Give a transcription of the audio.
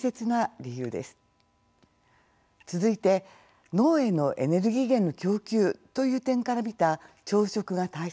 続いて脳へのエネルギー源の供給という点から見た朝食が大切な理由です。